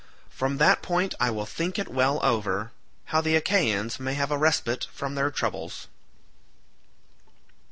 From that point I will think it well over, how the Achaeans may have a respite from their troubles."